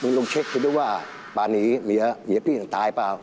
มึงลงเช็คให้ด้วยว่าปานีเมียพี่ยังตายเปล่า